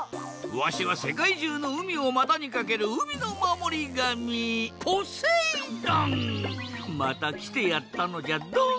わしはせかいじゅうのうみをまたにかけるうみのまもりがみまたきてやったのじゃドン！